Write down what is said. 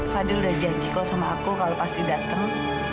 fadil udah janji kok sama aku kalau pasti datang